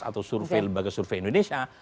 atau survei lembaga survei indonesia